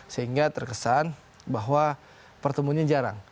sehingga terkesan bahwa pertemuannya jarang